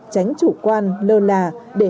tránh chủ quan lơ là để hạn chế sự lây lan của dịch bệnh